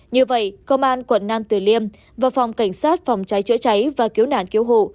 như vậy công an quận nam tử liêm và phòng cảnh sát phòng cháy chữa cháy và cứu nạn cứu hộ